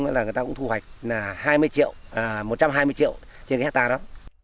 người ta cũng thu hoạch là hai mươi triệu một trăm hai mươi triệu trên cái hectare đó